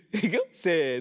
せの。